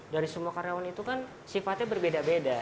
dari semua karyawan itu kan sifatnya berbeda beda